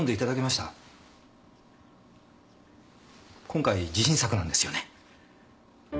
今回自信作なんですよね。